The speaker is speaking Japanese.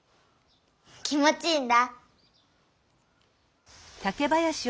気もちいいんだ。